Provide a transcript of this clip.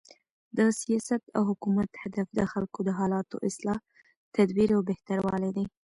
د سیاست او حکومت هدف د خلکو د حالاتو، اصلاح، تدبیر او بهتروالی دئ.